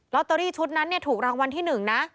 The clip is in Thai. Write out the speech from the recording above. ตเตอรี่ชุดนั้นถูกรางวัลที่๑นะ